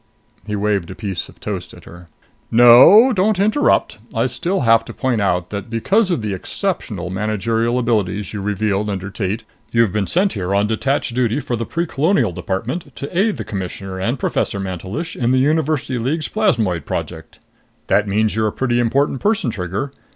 He waved a piece of toast at her. "No. Don't interrupt! I still have to point out that because of the exceptional managerial abilities you revealed under Tate, you've been sent here on detached duty for the Precolonial Department to aid the Commissioner and Professor Mantelish in the University League's Plasmoid Project. That means you're a pretty important person, Trigger!